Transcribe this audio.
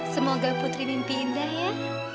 semoga putri mimpi indah ya